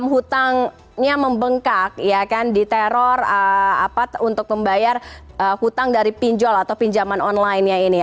hutangnya membengkak ya kan di teror untuk membayar hutang dari pinjol atau pinjaman online nya ini